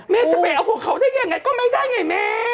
แม่จะไปเอาพวกเขาได้ยังไงก็ไม่ได้ไงแม่